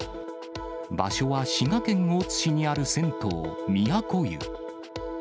場所は滋賀県大津市にある銭湯、都湯。